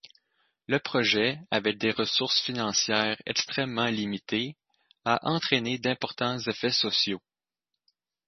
Le projet, avec des ressources financières extrêmement limitées, a entrainé d'important effets sociaux.